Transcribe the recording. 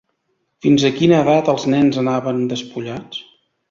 Fins a quina edat els nens anaven despullats?